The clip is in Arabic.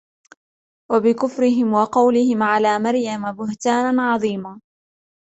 وَبِكُفْرِهِمْ وَقَوْلِهِمْ عَلَى مَرْيَمَ بُهْتَانًا عَظِيمًا